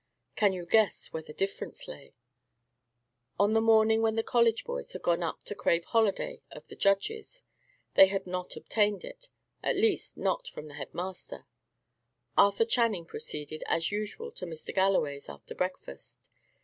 Can you guess where the difference lay? On the morning when the college boys had gone up to crave holiday of the judges, and had not obtained it at least not from the head master Arthur Channing proceeded, as usual, to Mr. Galloway's, after breakfast.